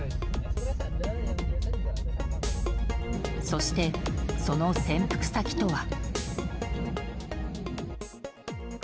そして、その潜伏先とは。